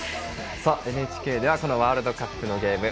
ＮＨＫではワールドカップのゲーム